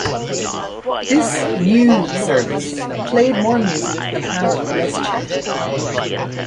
This 'new' service played more music and had less chat.